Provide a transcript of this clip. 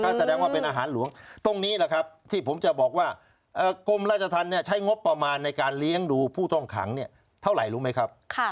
แสดงว่าเป็นอาหารหลวงตรงนี้แหละครับที่ผมจะบอกว่ากรมราชธรรมใช้งบประมาณในการเลี้ยงดูผู้ต้องขังเท่าไหร่รู้ไหมครับ